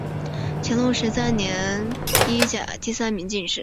乾隆十三年戊辰科一甲第三名进士。